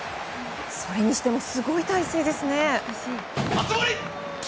それにしても、すごい体勢です。